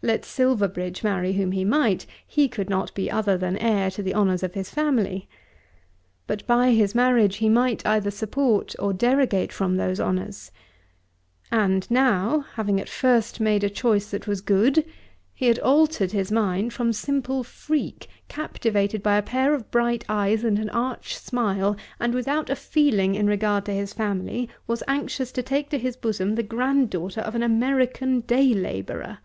Let Silverbridge marry whom he might, he could not be other than heir to the honours of his family. But by his marriage he might either support or derogate from these honours. And now, having at first made a choice that was good, he had altered his mind from simple freak, captivated by a pair of bright eyes and an arch smile; and without a feeling in regard to his family, was anxious to take to his bosom the granddaughter of an American day labourer!